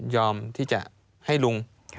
ยอมที่จะให้ลุง